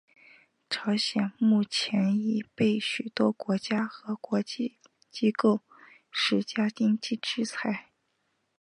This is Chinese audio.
朝鲜目前已被许多国家和国际机构施加经济制裁。